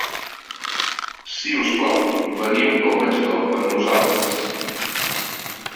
Si us plau, veniu al menjador amb nosaltres.